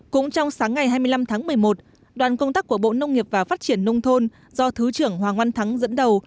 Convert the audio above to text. cũng trong sáng ngày hai mươi năm tháng một mươi một đoàn công tác của bộ nông nghiệp và phát triển nông thôn do thứ trưởng hoàng